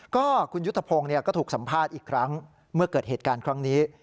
ก็คุณยุทธพงศ์ก็ถูกสัมภาษณ์อีกครั้งเมื่อเกิดเหตุการณ์ครั้งนี้